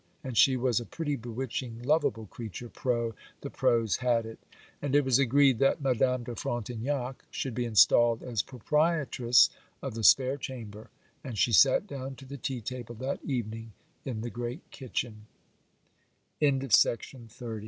And she was a pretty, bewitching, loveable creature, pro. The pros had it; and it was agreed that Madame de Frontignac should be installed as proprietress of the spare chamber, and she sat down to the tea table that evening in the great kitche